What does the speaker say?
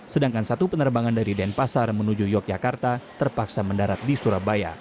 sedangkan satu penerbangan dari denpasar menuju yogyakarta terpaksa mendarat di surabaya